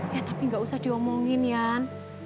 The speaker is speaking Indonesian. ya tapi gak usah diomongin ian